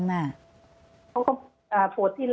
อันดับที่สุดท้าย